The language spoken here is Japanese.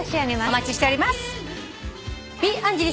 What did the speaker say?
お待ちしております。